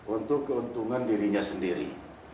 untuk keuntungan dirinya sendiri